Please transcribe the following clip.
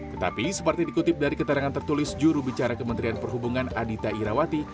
tetapi seperti dikutip dari keterangan tertulis jurubicara kementerian perhubungan adita irawati